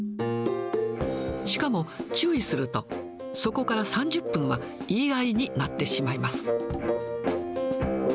しかも、注意すると、そこから３０分は言い合いになってしまいます。